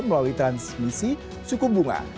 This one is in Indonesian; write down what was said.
melalui transmisi suku bunga